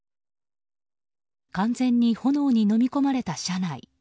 完全に炎にのみ込まれた車内。